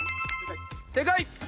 正解！